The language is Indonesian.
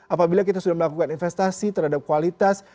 apabila kita sudah melakukan investasi terhadap kualitas